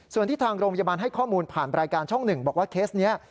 ส่วนที่ทางโรงพยาบาลให้ข้อมูลผ่านรายการช่อง๑บอกว่าเคสนี้